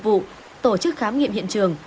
và các đơn vị nghiệp vụ tổ chức khám nghiệm hiện trường